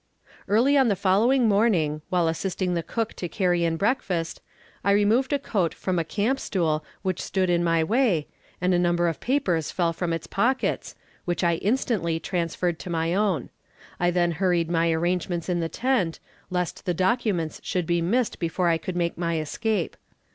Early on the following morning, while assisting the cook to carry in breakfast, I removed a coat from a camp stool which stood in my way, and a number of papers fell from its pockets, which I instantly transferred to my own. I then hurried my arrangements in the tent, lest the documents should be missed before I could make my escape.